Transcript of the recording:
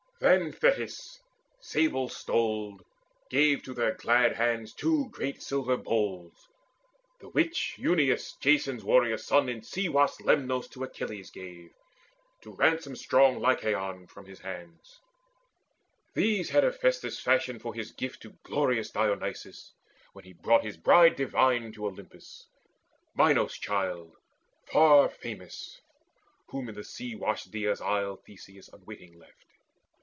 Then Thetis sable stoled Gave to their glad hands two great silver bowls The which Euneus, Jason's warrior son In sea washed Lemnos to Achilles gave To ransom strong Lycaon from his hands. These had Hephaestus fashioned for his gift To glorious Dionysus, when he brought His bride divine to Olympus, Minos' child Far famous, whom in sea washed Dia's isle Theseus unwitting left.